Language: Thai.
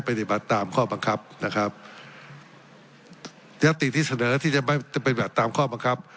ปฏิบัติตามข้อบังคับนะครับยัตติที่เสนอที่จะไม่จะเป็นแบบตามข้อบังคับ